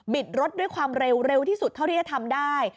รถด้วยความเร็วเร็วที่สุดเท่าที่จะทำได้